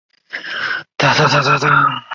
高阇羌人。